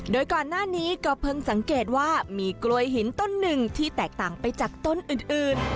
โดยก่อนหน้านี้ก็เพิ่งสังเกตว่ามีกล้วยหินต้นหนึ่งที่แตกต่างไปจากต้นอื่น